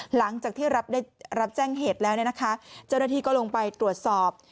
หลังจากที่รับแจ้งเหตุแล้วเจ้าหน้าที่ก็ลงไปตรวจสอบ